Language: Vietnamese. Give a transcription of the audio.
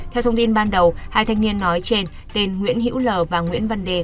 theo thông tin ban đầu hai thanh niên nói trên tên nguyễn hiễu l và nguyễn văn đề